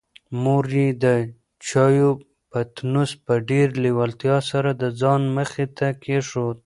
مور یې د چایو پتنوس په ډېرې لېوالتیا سره د ځان مخې ته کېښود.